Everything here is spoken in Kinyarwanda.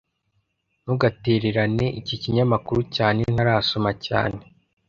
Ntugatererane iki kinyamakuru cyane Ntarasoma cyane